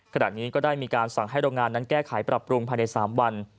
ขณะนี้ก็ได้มีการสั่งให้โรงงานนั้นแก้ไขปรับปรุงภายใน๓วัน